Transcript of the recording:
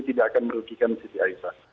tidak akan merugikan siti aisyah